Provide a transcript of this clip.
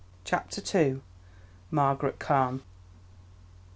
CHAPTER II. MARGARET CARNE.